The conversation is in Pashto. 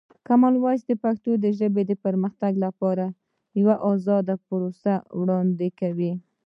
کامن وایس د پښتو ژبې د پرمختګ لپاره یوه ازاده پروسه وړاندې کوي.